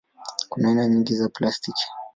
Kuna aina nyingi za plastiki.